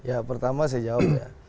ya pertama saya jawab ya